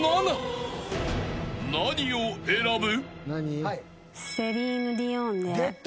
［何を選ぶ？］